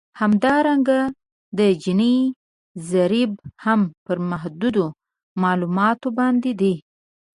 همدارنګه د جیني ضریب هم پر محدودو معلوماتو باندې دی